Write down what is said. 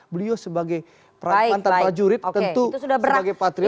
beliau sebagai mantan prajurit tentu sebagai patriot